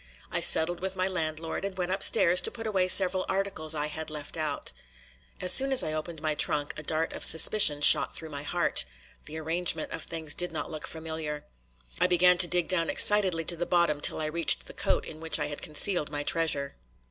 I settled with my landlord and went upstairs to put away several articles I had left out. As soon as I opened my trunk, a dart of suspicion shot through my heart; the arrangement of things did not look familiar. I began to dig down excitedly to the bottom till I reached the coat in which I had concealed my treasure.